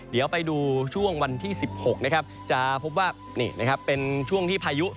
เดี๋ยวไปดูช่วงวันที่๑๖จะพบว่าเป็นช่วงที่พายุ